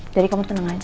jadi kamu tenang aja